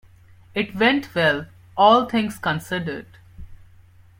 It went well, all things considered.